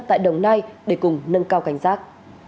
tại đồng nai để cùng nâng cao cảnh sát